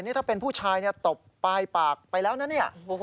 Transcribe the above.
นี่ถ้าเป็นผู้ชายตบปลายปากไปแล้วนะเนี่ย